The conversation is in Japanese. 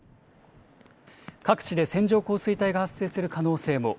各地で線状降水帯が発生する可能性も。